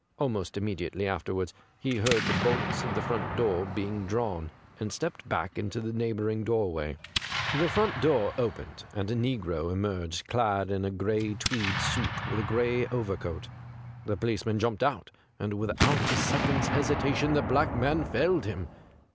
Almost immediately afterwards he heard the bolts of the front door being drawn^ and stepped back into the neighbouring doorway. The front door opened, and a negro emerged clad in a gray tweed suit with a gray overcoat. The police man jumped out, and without a second's hesitation the black man felled him.